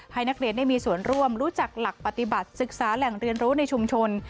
ให้นักเรียนได้มีส่วนร่วมรู้จักหลักปฏิบัติศึกษาแหล่งเรียนรู้ในชุมชน